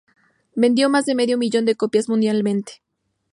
Vendió más de medio millón de copias mundialmente.